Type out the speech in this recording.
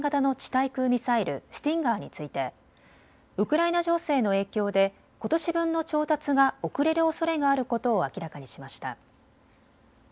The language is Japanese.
対空ミサイルスティンガーについてウクライナ情勢の影響でことし分の調達が遅れるおそれがあることを明らかにしました。